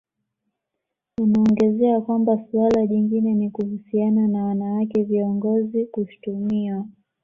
Anaongezea kwamba suala jingine ni kuhusiana na wanawake viongozi kushtumiwa